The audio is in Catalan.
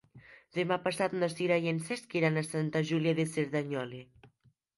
Demà passat na Sira i en Cesc iran a Sant Julià de Cerdanyola.